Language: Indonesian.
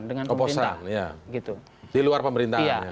di luar pemerintah